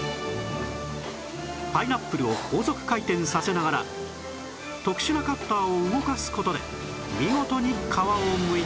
パイナップルを高速回転させながら特殊なカッターを動かす事で見事に皮をむいている